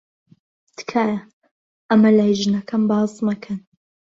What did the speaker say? تکایە ئەمە لای ژنەکەم باس مەکەن.